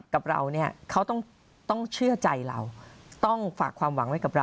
กับเราเนี่ยเขาต้องเชื่อใจเราต้องฝากความหวังไว้กับเรา